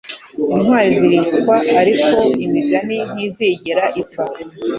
Intwari ziribukwa, ariko imigani ntizigera ipfa.”